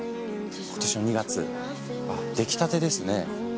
今年の２月出来たてですね。